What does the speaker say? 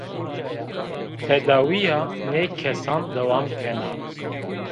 Tedawîya nê kesan dewam kena